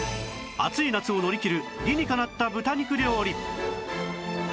暑い夏を乗り切る理にかなった豚肉料理